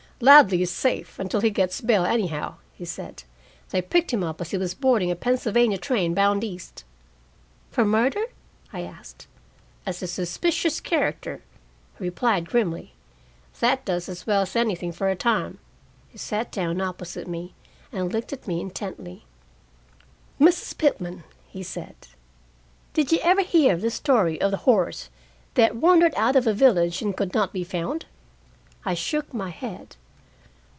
"Ladley is safe, until he gets bail, anyhow," he said. "They picked him up as he was boarding a Pennsylvania train bound east." "For murder?" I asked. "As a suspicious character," he replied grimly. "That does as well as anything for a time." He sat down opposite me, and looked at me intently. "Mrs. Pitman," he said, "did you ever hear the story of the horse that wandered out of a village and could not be found?" I shook my head.